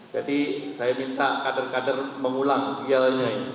jadi saya minta kader kader mengulang yel yel